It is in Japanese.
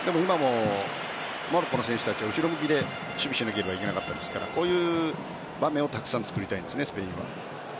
モロッコの選手たちは後ろ向きで守備をしなければいけなかったですからこういう場面をたくさん作りたいですね。